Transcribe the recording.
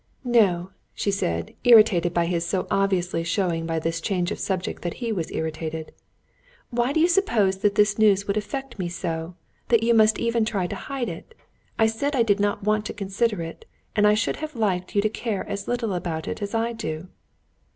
"No," she said, irritated by his so obviously showing by this change of subject that he was irritated, "why did you suppose that this news would affect me so, that you must even try to hide it? I said I don't want to consider it, and I should have liked you to care as little about it as I do."